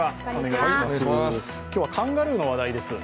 今日はカンガルーの話題です。